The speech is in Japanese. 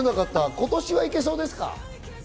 今年は行けそうですか？